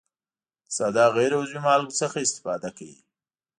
د ساده غیر عضوي مالګو څخه استفاده کوي.